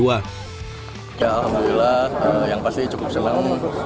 ya alhamdulillah yang pasti cukup senang